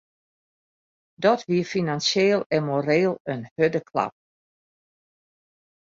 Dat wie finansjeel en moreel in hurde klap.